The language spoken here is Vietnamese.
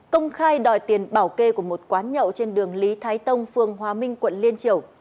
công khai đòi tiền bảo kê của một quán nhậu trên đường lý thái tông phường hòa minh quận liên triều